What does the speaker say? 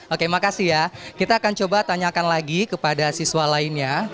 oke makasih ya kita akan coba tanyakan lagi kepada siswa lainnya